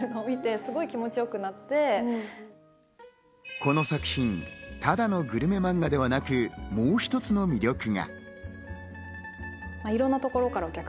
この作品、ただのグルメ漫画ではなく、もう一つの魅力が。